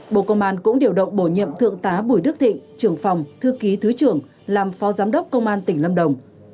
bộ công an cũng điều động bổ nhiệm thượng tá bùi đức thịnh trưởng phòng thư ký thứ trưởng làm phó giám đốc công an tỉnh lâm đồng